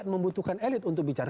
membutuhkan elit untuk bicara